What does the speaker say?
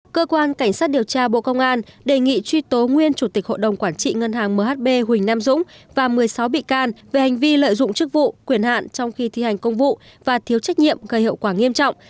cơ quan cảnh sát điều tra bộ công an đề nghị truy tố nguyên chủ tịch hội đồng quản trị ngân hàng mhb huỳnh nam dũng và một mươi sáu bị can về hành vi lợi dụng chức vụ quyền hạn trong khi thi hành công vụ và thiếu trách nhiệm gây hậu quả nghiêm trọng